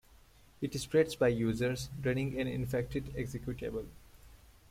It spreads by users running an infected executable.